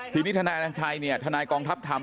ทีนี้ท่านายอันนันชัยท่านายกองทัพธรรม